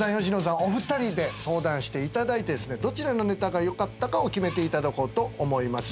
お二人で相談していただいてどちらのネタがよかったかを決めていただこうと思います。